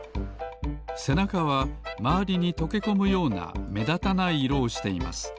せなかはまわりにとけこむようなめだたない色をしています。